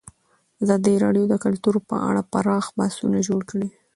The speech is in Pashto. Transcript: ازادي راډیو د کلتور په اړه پراخ بحثونه جوړ کړي.